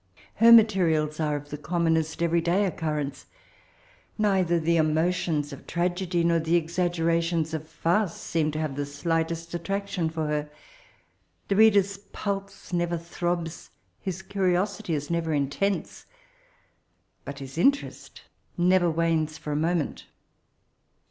Her materials are of the commonest every day occurrence. Kdther the emotions of tragedy, nor the exaggerations of farce, seem to have the slightest attraction for her. The reader's pulse never throbs, his cnrioeity is never intense ; but his interest never wanes for a moment.